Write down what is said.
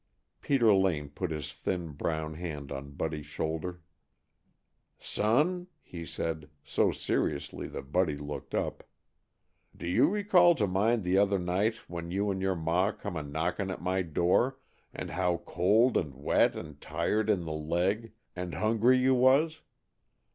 Peter Lane put his thin brown hand on Buddy's shoulder. "Son," he said, so seriously that Buddy looked up, "do you recall to mind the other night when you and your ma come a knocking at my door, and how cold and wet and tired in the leg, and hungry you was?